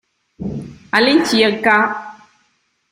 All'incirca.